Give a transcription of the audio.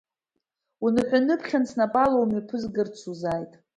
Уныҳәа-ныԥхьаны снапала умҩаԥызгарц сузааит!